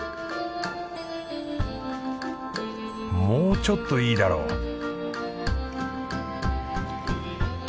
もうちょっといいだろう